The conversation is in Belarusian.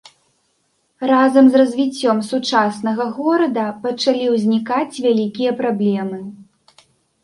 Разам з развіццём сучаснага горада пачалі ўзнікаць вялікія праблемы.